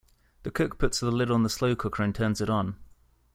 The cook puts the lid on the slow cooker and turns it on.